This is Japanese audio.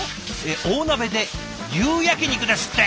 大鍋で牛焼き肉ですって！